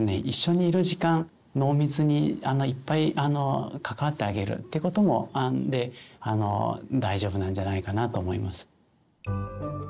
一緒にいる時間濃密にいっぱい関わってあげるってことで大丈夫なんじゃないかなと思います。